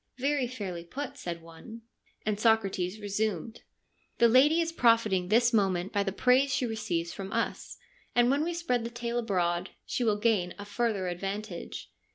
' Very fairly put,' said one, and Socrates resumed, ' The lady is profiting this moment by the praise she receives from us, and when we spread the tale abroad she will gain a further advantage.